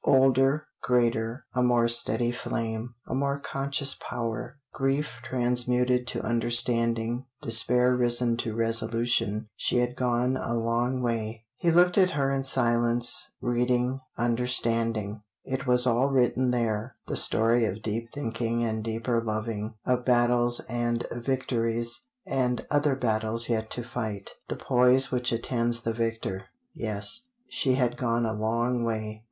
Older greater a more steady flame a more conscious power grief transmuted to understanding despair risen to resolution she had gone a long way. He looked at her in silence reading, understanding. It was all written there the story of deep thinking and deeper loving, of battles and victories, and other battles yet to fight, the poise which attends the victor yes, she had gone a long way.